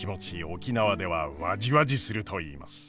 沖縄ではわじわじすると言います。